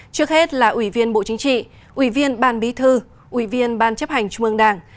trước hết là ủy viên bộ chính trị ủy viên ban bí thư ủy viên ban chấp hành trung ương đảng